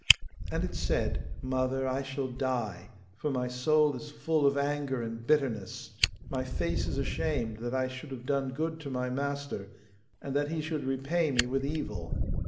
And it said, 'Mother, I shall die, for my soul is full of anger and bitterness. My face is ashamed, that I should have done good to my master, and that he should repay me with evil.